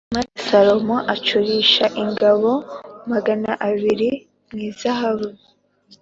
Maze Salomo acurisha ingabo magana abiri mu izahabu